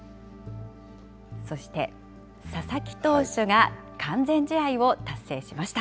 そして、佐々木投手が完全試合を達成しました。